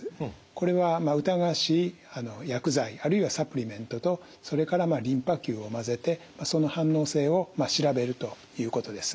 これは疑わしい薬剤あるいはサプリメントとそれからリンパ球を混ぜてその反応性を調べるということです。